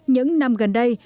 những năm gần đây